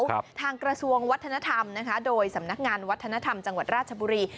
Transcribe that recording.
ทางกระทรวงวัฒนธรรมนะคะโดยสำนักงานวัฒนธรรมจังหวัดราชบุรี